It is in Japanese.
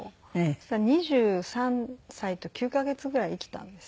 そしたら２３歳と９カ月ぐらい生きたんです。